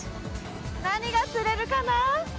何が釣れるかな？